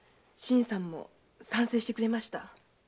新さんも賛成してくれました。